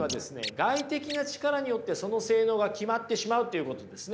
外的な力によってその性能が決まってしまうということですね。